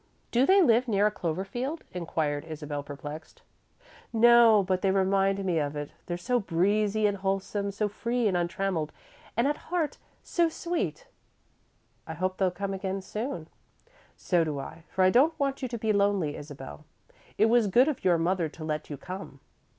"Do they live near a clover field?" inquired Isabel, perplexed. "No, but they remind me of it they're so breezy and wholesome, so free and untrammelled, and, at heart, so sweet." "I hope they'll come again soon." "So do I, for I don't want you to be lonely, Isabel. It was good of your mother to let you come."